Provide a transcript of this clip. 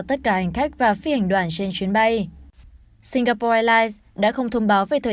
tất cả hành khách và phi hành đoàn trên chuyến bay singapore airlines đã không thông báo về thời